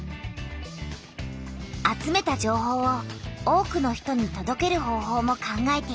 集めた情報を多くの人にとどける方ほうも考えている。